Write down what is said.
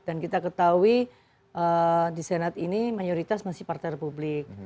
dan kita ketahui di senat ini mayoritas masih partai republik